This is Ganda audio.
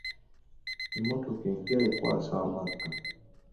Emmotoka empya ekwasa amaddu.